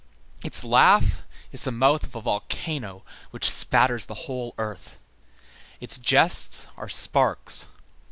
Its laugh is the mouth of a volcano which spatters the whole earth. Its jests are sparks.